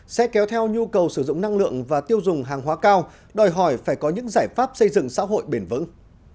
sẽ kéo theo nhu cầu sử dụng năng lượng và tiêu dùng hàng hóa cao đòi hỏi phải có những giải pháp xây dựng xã hội bền vững